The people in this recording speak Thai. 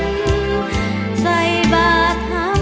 หัวใจเหมือนไฟร้อน